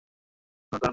না, দাঁড়ান!